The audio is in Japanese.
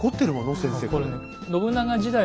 先生これ。